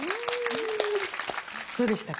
どうでしたか？